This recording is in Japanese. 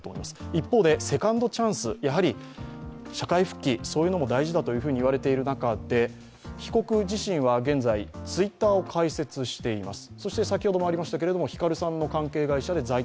一方でセカンドチャンス、社会復帰も大事だといわれている中で被告自身は現在、Ｔｗｉｔｔｅｒを開設しています。